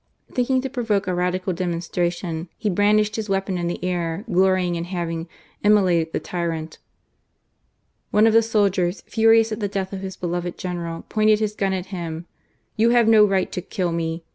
Thinking to provoke a Radical demonstration, he brandished his weapon in the air, glorying in having "immolated the tyrant." One of the soldiers, furious at the death of his beloved general, pointed his gun at him. " You have no right to kill me !